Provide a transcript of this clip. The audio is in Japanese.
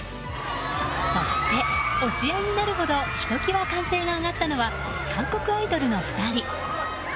そして、押し合いになるほどひときわ歓声が上がったのは韓国アイドルの２人。